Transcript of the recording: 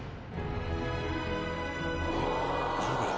何これ。